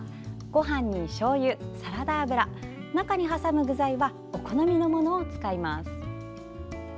ごはんにしょうゆ、サラダ油中に挟む具材はお好みのものを使います。